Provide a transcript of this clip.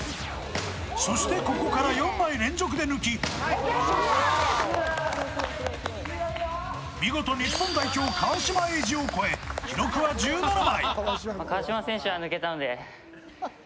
そしてここから４枚連続で抜き見事日本代表、川島永嗣を超え記録は１７枚。